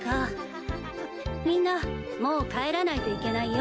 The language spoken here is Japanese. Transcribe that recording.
みんなもう帰らないといけないよ。